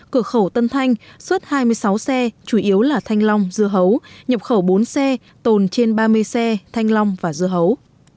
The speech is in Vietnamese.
cửa khẩu tân thanh xuất hai mươi sáu xe chủ yếu là thanh long dưa hấu nhập khẩu bốn xe tồn trên ba mươi xe thanh long và dưa hấu